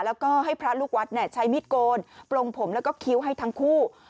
แล้วก็ให้พระลูกวัดใช้มิดโกนปลงผมแล้วก็คิ้วให้ทั้งคู่